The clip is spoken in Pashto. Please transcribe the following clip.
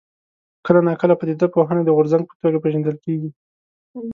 کله ناکله پدیده پوهنه د غورځنګ په توګه پېژندل کېږي.